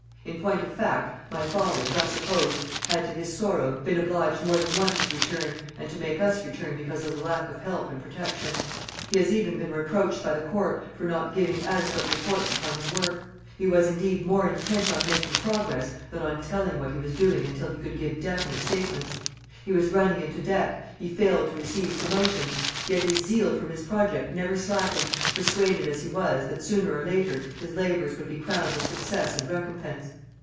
In point of fact, my father, thus opposed, had to his sorrow been obliged more than once to return and to make us return because of the lack of help and protection. He has even been reproached by the court [for not giving adequate reports upon his work]; he was, indeed, more intent on making progress than on telling what he was doing until he could give definite statements. He was running into debt, he failed to receive promotions. Yet his zeal for his project never slackened, persuaded as he was that sooner or later his labours would be crowned with success and recompense.